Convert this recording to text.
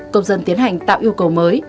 công dân tiến hành tạo yêu cầu mới